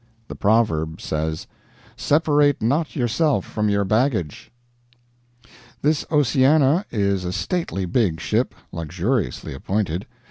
The proverb says: "Separate not yourself from your baggage." This 'Oceana' is a stately big ship, luxuriously appointed.